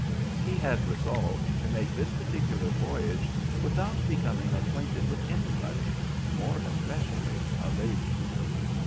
He had resolved to make this particular voyage without becoming acquainted with anybody, more especially a lady.